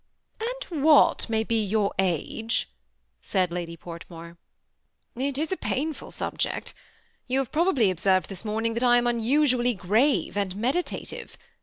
" And what may be your age ?" said Lady Port more. "It is a painful subject. You have probably ob served this morning that I am unusually grave and meditative.